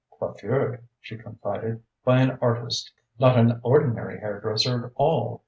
"Coiffured," she confided, "by an artist. Not an ordinary hairdresser at all.